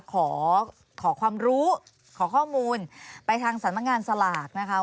ขอขอความรู้ขอข้อมูลไปทางสำนักงานสลากนะคะ